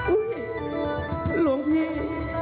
อุ้ยหลวงพี่